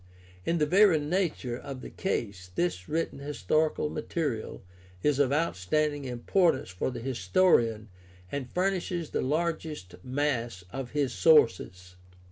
In the very nature of the case this written historical material is of outstanding importance for the historian and furnishes the largest mass of his sources.